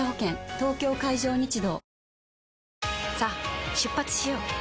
東京海上日動さあ出発しよう。